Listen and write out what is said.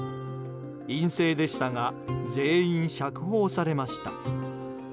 陰性でしたが全員釈放されました。